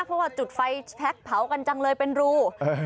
เพราะว่าจุดไฟแพ็คเผากันจังเลยเป็นรู